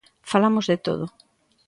Falamos de todo.